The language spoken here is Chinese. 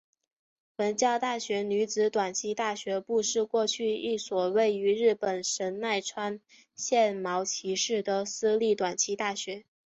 文教大学女子短期大学部是过去一所位于日本神奈川县茅崎市的私立短期大学。